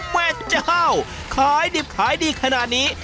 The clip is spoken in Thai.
แม่เจ้าขายดิบขายดีขนาดนี้